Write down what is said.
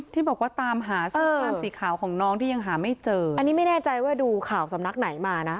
ที่บอกว่าตามหาเสื้อครามสีขาวของน้องที่ยังหาไม่เจออันนี้ไม่แน่ใจว่าดูข่าวสำนักไหนมานะ